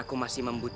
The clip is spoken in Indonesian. aku akan menang